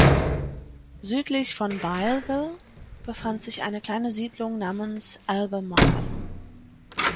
Südlich von Bilesville befand sich eine kleine Siedlung namens Albemarle.